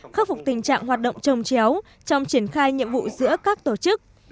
khắc phục tình trạng hoạt động trồng chéo trong triển khai nhiệm vụ giữa các tổ chức